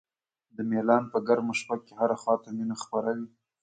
د میلان په ګرمه شپه کې هره خوا ته مینه خپره وي.